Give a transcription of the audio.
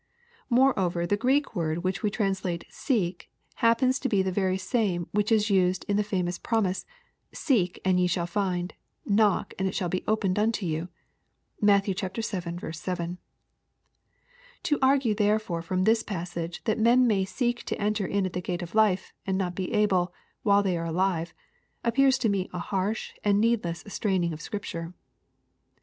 Moreover the Greek word which we translate " seeK" happena to be the very same which is used in the famous promise, *' Seek and ye shall find : knock and it shall be opened unto you," ^Matt. viL 7.) To argue therefore from this passage that men may seek to enter in at the gate of life, and not be able, while they are alive, appears to me a harsh and needless straining of Scripture.